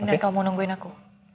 enggak kamu nungguin aku